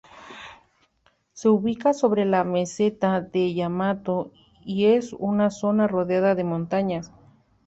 Se ubica sobre la meseta de Yamato y es una zona rodeada de montañas.